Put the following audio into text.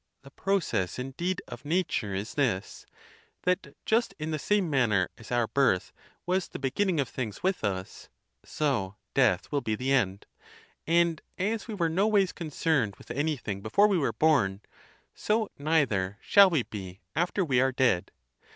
The process, indeed, of nature is this: that just in the same manner as our birth was the beginning of things with us, so death will be the end; and as we were noways concerned with anything before we were born, so neither shall we be after we are dead.